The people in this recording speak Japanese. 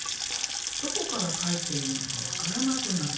どこから描いていいのか分からなくなる。